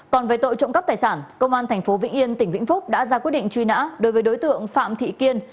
còn về tội trộm cấp tài sản công an thành phố vĩnh yên tỉnh vĩnh phúc đã ra quyết định truy nã đối với đối tượng phạm thị kiên